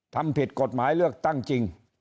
ทำผิดกฎหมายเลือกตั้งจริง